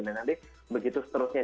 dan nanti begitu seterusnya